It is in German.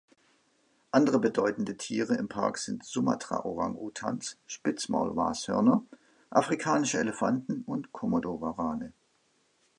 Andere bedeutende Tiere im Park sind Sumatra-Orang-Utans, Spitzmaulnashörner, Afrikanische Elefanten und Komodowarane.